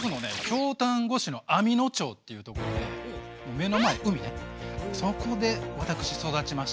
京丹後市の網野町っていうところで目の前海でそこで私育ちました。